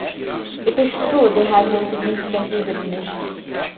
It is true they have been significantly diminished.